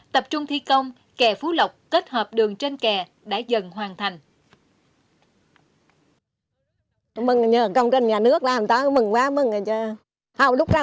tập trung thi công kè phú lộc kết hợp đường trên kè đã dần hoàn thành